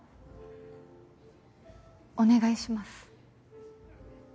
お願いします。